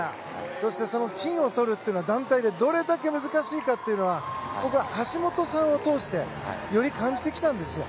そして金をとるということは団体でどれだけ難しいかは僕は橋本さんを通してより感じてきたんですよ。